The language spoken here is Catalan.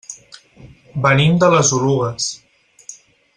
Venim de les Oluges.